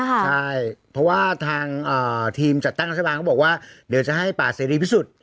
ใช่เพราะว่าทางทีมจัดตั้งรัฐบาลก็บอกว่าเดี๋ยวจะให้ป่าเสรีพิสุทธิ์